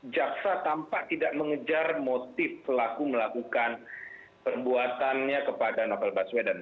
jaksa tampak tidak mengejar motif pelaku melakukan perbuatannya kepada novel baswedan